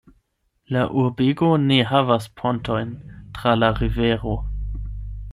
La urbego ne havas pontojn tra la rivero.